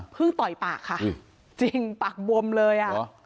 ผึ้งต่อยปากค่ะจริงปากบมเลย